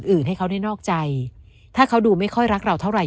อื่นให้เขาได้นอกใจถ้าเขาดูไม่ค่อยรักเราเท่าไห